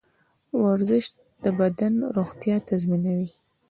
ورزش د بدن روغتیا تضمینوي.